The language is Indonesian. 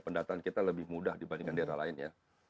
pendataan kita lebih mudah dibandingkan daerah lain ya